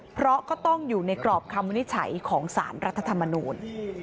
เพราะก็ต้องอยู่ในกรอบคำวินิจฉัยของสารรัฐธรรมนูล